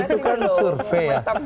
itu kan survei ya